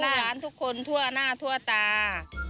ให้ลูกหวานทุกคนทั่วหน้าทั่วตา